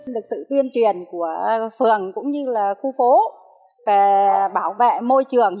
được sự tuyên truyền của phường cũng như là khu phố về bảo vệ môi trường